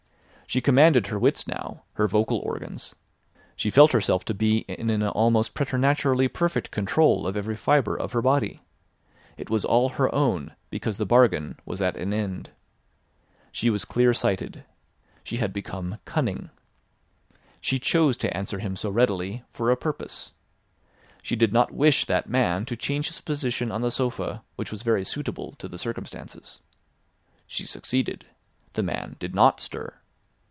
She commanded her wits now, her vocal organs; she felt herself to be in an almost preternaturally perfect control of every fibre of her body. It was all her own, because the bargain was at an end. She was clear sighted. She had become cunning. She chose to answer him so readily for a purpose. She did not wish that man to change his position on the sofa which was very suitable to the circumstances. She succeeded. The man did not stir.